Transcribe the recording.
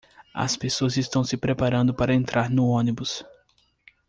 as pessoas estão se preparando para entrar no ônibus